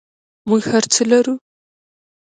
موږ هر څه لرو؟